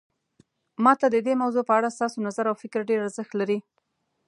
ما ته د دې موضوع په اړه ستاسو نظر او فکر ډیر ارزښت لري